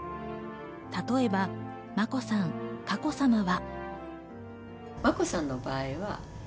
例えば、眞子さん、佳子さまは。